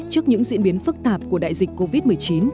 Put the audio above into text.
trước những diễn biến phức tạp của đại dịch covid một mươi chín